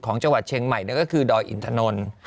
ของจังหวัดเชียงใหม่ก็คือดอยอินทน